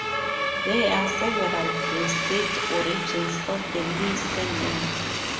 There are several distinct origins of the Lee surname.